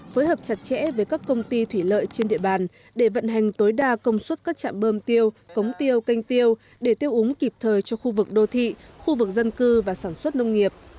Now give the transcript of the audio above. phối hợp chặt chẽ với các công ty thủy lợi trên địa bàn để vận hành tối đa công suất các trạm bơm tiêu cống tiêu canh tiêu để tiêu úng kịp thời cho khu vực đô thị khu vực dân cư và sản xuất nông nghiệp